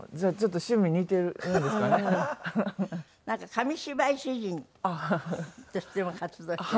紙芝居詩人としても活動している。